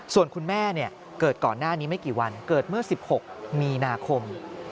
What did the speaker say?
ส่วนคุณแม่เกิดก่อนหน้านี้ไม่กี่วันเกิดเมื่อ๑๖มีนาคม